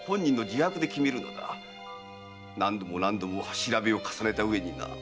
何度も何度も調べを重ねたうえにな。